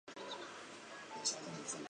库德人在过去常担任雇佣兵和骑射手。